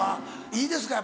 いいですか？